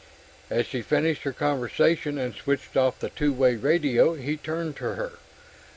As she finished her conversation and switched off the two way radio, he turned to her.